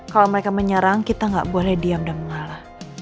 kalau mereka menyerang kita nggak boleh diam dan mengalah